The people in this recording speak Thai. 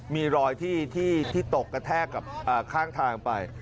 มีรอยที่ตกกระแทกกับข้างทางไป